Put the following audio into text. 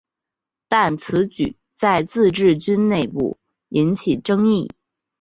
但此举在自治军内部引起争议。